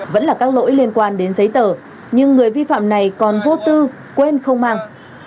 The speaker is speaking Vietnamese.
vẫn là các lỗi liên quan đến giấy tờ nhưng người vi phạm này còn vô tư quên không mang